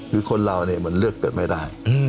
คือคนเราเนี่ยมันเลือกเกิดไม่ได้